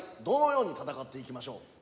どのように戦っていきましょう？